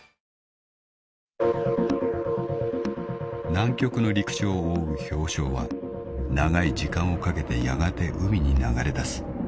［南極の陸地を覆う氷床は長い時間をかけてやがて海に流れ出す］